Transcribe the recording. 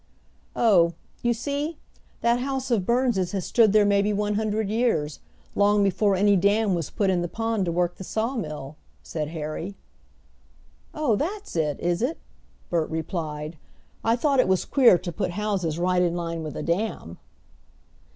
"Oh, you see, that house of Burns' has stood there maybe one hundred years long before any dam was put in the pond to work the sawmill," said Harry. "Oh, that's it is it?" Bert replied. "I thought it was queer to put houses right in line with a dam."